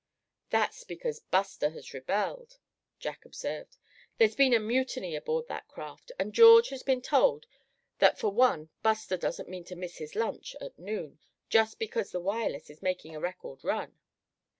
"That's because Buster has rebelled," Jack observed, "there's been a mutiny aboard that craft; and George had been told that for one Buster doesn't mean to miss his lunch at noon, just because the Wireless is making a record run."